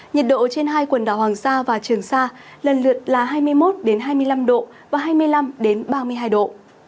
nhiệt độ trên hai quần đảo hoàng sa và trường sa lần lượt là hai mươi một hai mươi năm độ và hai mươi năm ba mươi hai độ